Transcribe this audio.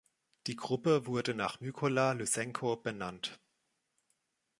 Die Gruppe wurde nach Mykola Lysenko benannt.